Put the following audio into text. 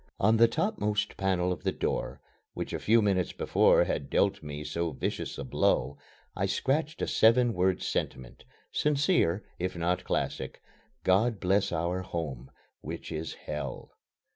On the topmost panel of the door, which a few minutes before had dealt me so vicious a blow, I scratched a seven word sentiment sincere, if not classic: "God bless our Home, which is Hell."